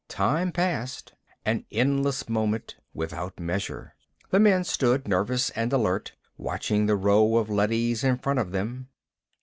Time passed, an endless moment, without measure. The men stood, nervous and alert, watching the row of leadys in front of them.